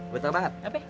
gue tau banget